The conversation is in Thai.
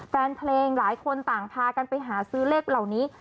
แฟนเพลงหลายคนต่างพากันไปหาซื้อเลขเหล่านี้